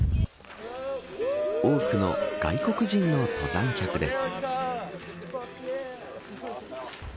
多くの外国人の登山客です。